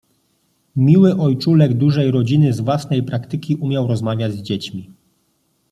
Miły ojczulek Dużej Rodziny z własnej praktyki umiał rozmawiać z dziećmi.